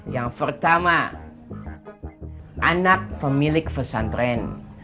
yang pertama anak pemilik pesantren